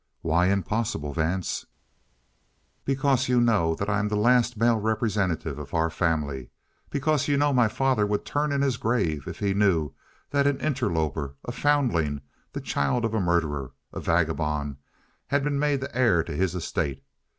"Why impossible, Vance?" "Because you know that I'm the last male representative of our family. Because you know my father would turn in his grave if he knew that an interloper, a foundling, the child of a murderer, a vagabond, had been made the heir to his estate.